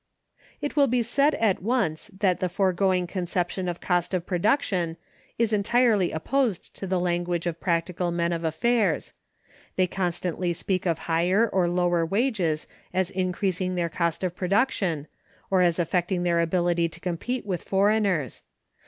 It will be said, at once, that the foregoing conception of cost of production is entirely opposed to the language of practical men of affairs. They constantly speak of higher or lower wages as increasing their cost of production, or as affecting their ability to compete with foreigners.